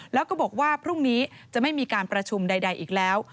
แล้วก็บอกว่าพรุ่งนี้จะไม่มีการประชุมใดอีกแล้ว